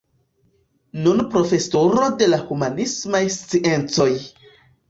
Nun profesoro de la humanismaj sciencoj.